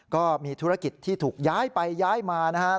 ก็มีธุรกิจที่ถูกย้ายไปย้ายมานะฮะ